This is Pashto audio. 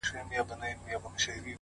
عقل له احساساتو لار جوړوي،